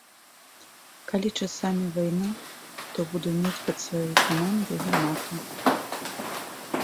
Калі часамі вайна, то буду мець пад сваёй камандай гармату.